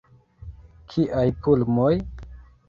Kiaj pulmoj!